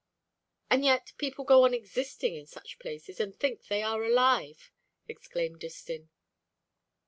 "And yet people go on existing in such places, and think they are alive!" exclaimed Distin.